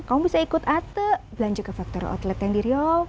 kamu bisa ikut ate belanja ke factory outlet yang diri